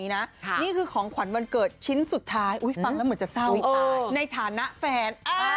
นี้ของขวัญวันเกิดชิ้นสุดท้ายในฐานะแฟน